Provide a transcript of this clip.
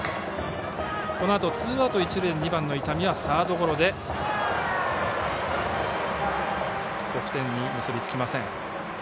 このあとツーアウト、一塁で２番の伊丹はサードゴロで得点に結びつきません。